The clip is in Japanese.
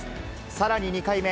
さらに、２回目。